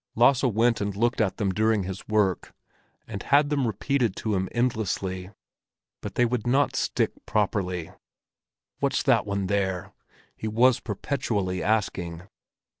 Lasse went and looked at them during his work, and had them repeated to him endlessly; but they would not stick properly. "What's that one there?" he was perpetually asking.